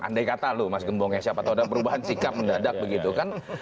andai kata lu mas gembongnya siapa tau ada perubahan sikap mendadak begitu kan